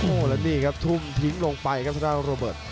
โอ้โหแล้วนี่ครับทุ่มทิ้งลงไปครับทางด้านโรเบิร์ต